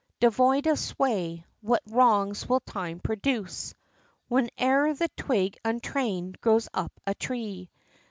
Devoid of sway, what wrongs will time produce, Whene'er the twig untrained grows up a tree.